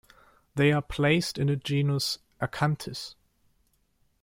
They are placed in the genus "Acanthis".